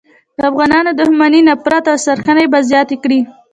د افغانانو دښمني، نفرت او سرکښي به زیاته کړي.